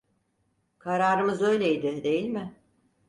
Kararımız öyleydi değil mi?